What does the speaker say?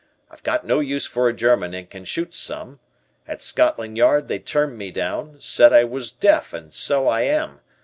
I've got no use for a German and can shoot some. At Scotland Yard they turned me down; said I was deaf and so I am.